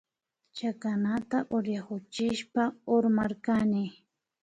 Chakanata uraykuchishpa urmarkani